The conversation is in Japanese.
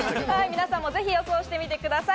皆さんもぜひ予想してみてください。